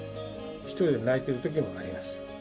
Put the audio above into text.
一人で泣いているときもあります。